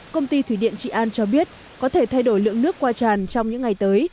công ty thủy điện trị an cho biết có thể thay đổi lượng nước qua tràn trong những ngày tới